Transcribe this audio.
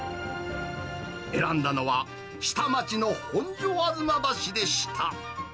選んだのは、下町の本所吾妻橋でした。